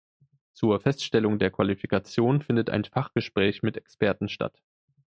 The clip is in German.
Zur Feststellung der Qualifikation findet ein Fachgespräch mit Experten statt.